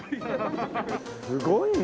すごいね！